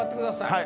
はい。